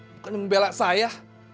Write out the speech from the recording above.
bukannya membela saya